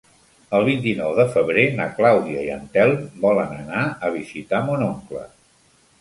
El vint-i-nou de febrer na Clàudia i en Telm volen anar a visitar mon oncle.